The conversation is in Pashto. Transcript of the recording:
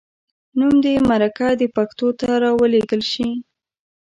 نوم دې مرکه د پښتو ته راولیږل شي.